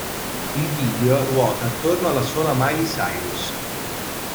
Il video ruota attorno alla sola Miley Cyrus.